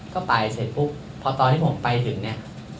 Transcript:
ก็ไปเสร็จปุ๊บพอตอนที่ผมไปถึงเนี่ย